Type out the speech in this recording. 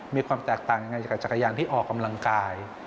มีความแตกต่างยังไงกับจักรยานที่ออกกำลังกาย